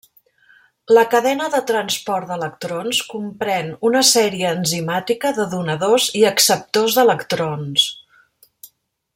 La cadena de transport d'electrons comprèn una sèrie enzimàtica de donadors i acceptors d'electrons.